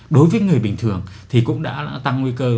đối với người bình thường thì cũng đã tăng nguy cơ